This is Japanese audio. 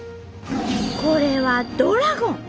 これは「ドラゴン」。